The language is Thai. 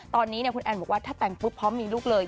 ตอนนี้คุณแอนบอกว่าถ้าแต่งปุ๊บพร้อมมีลูกเลย